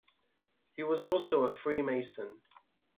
He was also a Freemason.